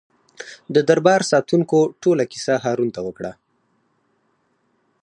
د دربار ساتونکو ټوله کیسه هارون ته وکړه.